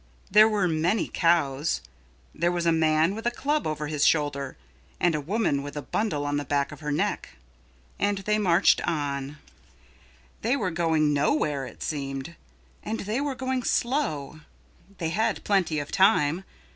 There were many cows. There was a man with a club over his shoulder and a woman with a bundle on the back of her neck. And they marched on. They were going nowhere, it seemed. And they were going slow. They had plenty of time.